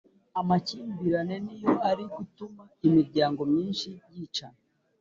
Amakimbirane niyo ari gutuma imiryango myinshi yicana